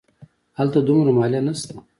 هلته دومره مالیه نه شته.